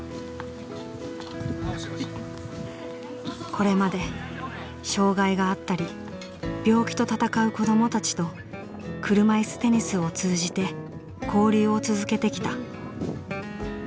これまで障害があったり病気と闘う子どもたちと車いすテニスを通じて交流を続けてきた。